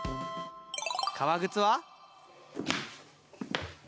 革靴は。